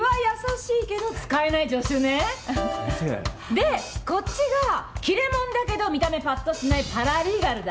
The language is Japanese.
でこっちが切れモンだけど見た目ぱっとしないパラリーガルだ。